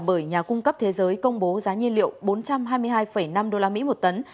bởi nhà cung cấp thế giới công bố giá nhiên liệu bốn trăm hai mươi hai năm usd một tấn